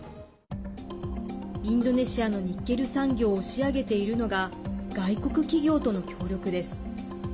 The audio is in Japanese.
インドネシアのニッケル産業を押し上げているのが外国企業との協力です。